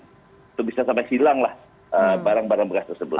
untuk bisa sampai hilanglah barang barang bekas tersebut